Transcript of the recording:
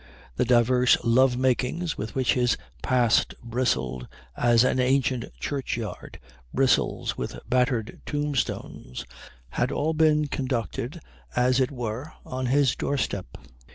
The divers love makings with which his past bristled as an ancient churchyard bristles with battered tombstones, had all been conducted as it were on his doorstep.